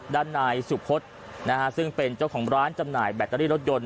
ด้านนายสุพฤษซึ่งเป็นเจ้าของร้านจำหน่ายแบตเตอรี่รถยนต